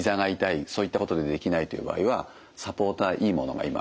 そういったことでできないという場合はサポーターいいものが今はあります。